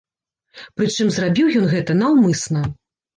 Прычым зрабіў ён гэта наўмысна.